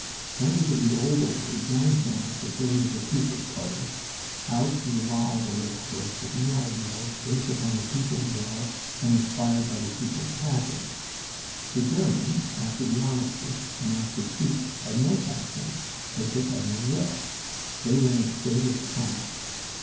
Members of the old order joined hands with those of the people's parties, out to evolve a republic with new ideals based upon the people's will and inspired by the people's passion. The Germans, after the armistice and after the peace, had no passion, as they had no will. They were in a state of coma.